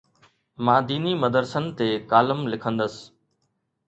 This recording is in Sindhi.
مان ديني مدرسن تي ڪالم لکندس.